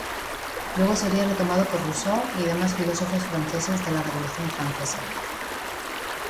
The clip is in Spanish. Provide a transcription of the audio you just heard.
Luego sería retomado por Rousseau y demás filósofos franceses de la revolución francesa.